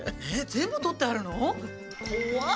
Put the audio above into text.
全部とってあるの？